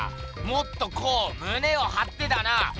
もっとこうむねをはってだな。